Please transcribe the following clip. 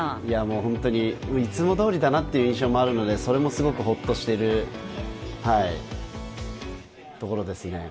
本当にいつもどおりだなという印象もあるのでそれもすごくホッとしているところです。